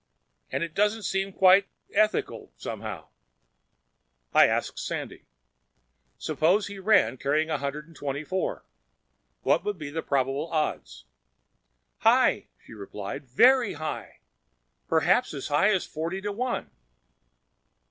And it doesn't seem quite ethical, somehow—" I asked Sandy, "Suppose he ran carrying 124. What would be the probable odds?" "High," she replied, "Very high. Perhaps as high as forty to one."